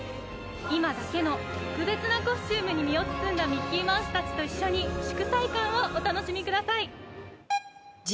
今だけの特別なコスチュームに身を包んだミッキーマウスたちと一緒に祝祭感をお楽しみください。